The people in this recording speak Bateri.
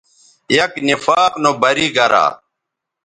یک نفاق نو بری گرا